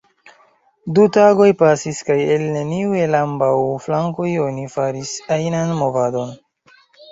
Du tagoj pasis kaj el neniu el ambaŭ flankoj oni faris ajnan movadon.